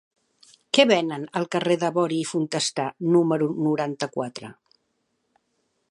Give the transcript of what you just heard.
Què venen al carrer de Bori i Fontestà número noranta-quatre?